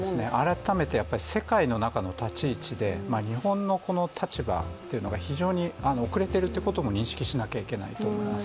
改めて世界の中の立ち位置で日本のこの立場というのが非常に遅れてるってことも認識しなきゃいけないと思います。